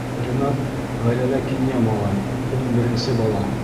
Ринат — ғаиләлә кинйә малай, ун беренсе бала.